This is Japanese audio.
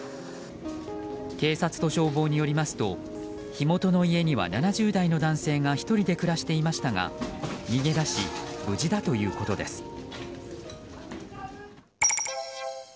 警察と消防によりますと火元の家には７０代の男性が１人で暮らしていましたが逃げ出し、無事だということです。